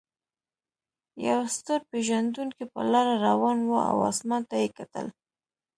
یو ستور پیژندونکی په لاره روان و او اسمان ته یې کتل.